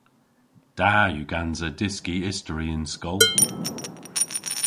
Da yw gansa dyski istori y'n skol.